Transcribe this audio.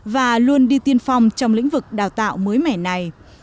và luôn đi tiên phong trong lĩnh vực đào tạo mới mẻ này